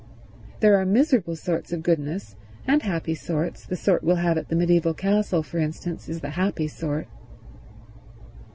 There are miserable sorts of goodness and happy sorts—the sort we'll have at the mediaeval castle, for instance, is the happy sort."